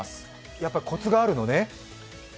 やっぱコツがあるのね。